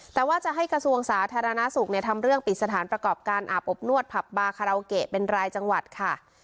แต่ว่าจะให้กระทรวงสาธารณสุขทำเรื่องปิดสถานประกอบการอาบอบนวดผับบาคาราโอเกะเป็นรายจังหวัดค่ะ